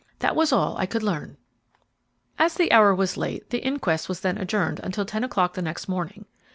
That was all I could learn." As the hour was late, the inquest was then adjourned until ten o'clock the next morning.